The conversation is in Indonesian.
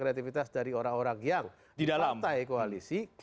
kreativitas dari orang orang yang di partai koalisi